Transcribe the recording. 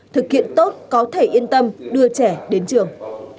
thực hiện tốt có thể yên tâm đưa trẻ đến trường